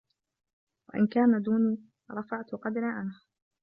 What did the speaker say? وَإِنْ كَانَ دُونِي رَفَعْت قَدْرِي عَنْهُ